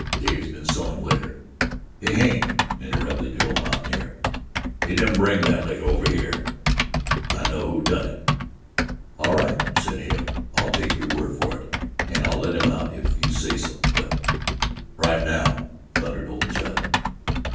Dave's been selling liquor." "He hain't," interrupted the old mountaineer. "He didn't bring that liquor over hyeh. I know who done it." "All right," said Hale; "I'll take your word for it and I'll let him out, if you say so, but " "Right now," thundered old Judd.